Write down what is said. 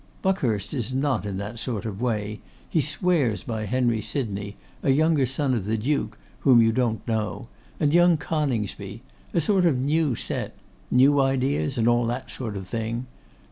'Buckhurst is not in that sort of way: he swears by Henry Sydney, a younger son of the Duke, whom you don't know; and young Coningsby; a sort of new set; new ideas and all that sort of thing.